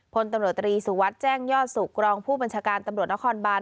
พลตำรวจตรีสุวัสดิ์แจ้งยอดสุขรองผู้บัญชาการตำรวจนครบาน